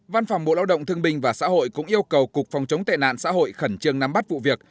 văn phòng bộ lao động thương binh và xã hội cũng yêu cầu cục phòng chống tệ nạn xã hội khẩn trương nắm bắt vụ việc